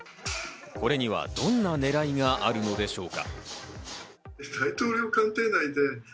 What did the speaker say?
これにはどんな狙いがあるのでしょうか？